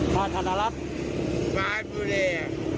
ภายธนรัฐภายบุรี